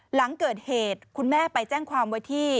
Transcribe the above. หลังเกิดเหตุคุณแม่ไปแจ้งความไว้ที่